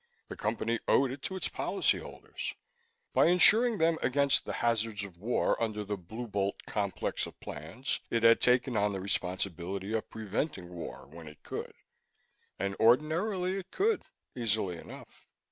The Company owed it to its policyholders; by insuring them against the hazards of war under the Blue Bolt complex of plans, it had taken on the responsibility of preventing war when it could. And ordinarily it could, easily enough.